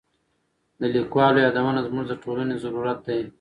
د لیکوالو یادونه زموږ د ټولنې ضرورت دی.